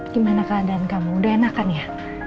gimana keadaan kamu udah enak kan ya